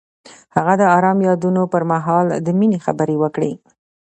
هغه د آرام یادونه پر مهال د مینې خبرې وکړې.